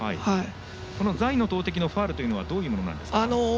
座位の投てきのファウルというのはどういうものですか。